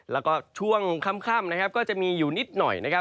แล้วก็ช่วงค่ำก็จะมีอยู่นิดหน่อย